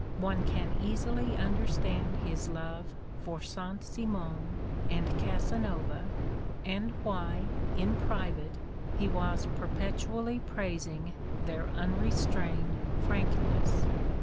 One can easily under stand his love for Saint Simon and Casanova and why, in private, he was perpetually praising their "unre strained frankness."